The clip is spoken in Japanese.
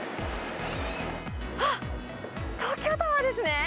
あっ、東京タワーですね。